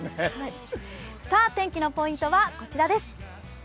さあ、天気のポイントはこちらです。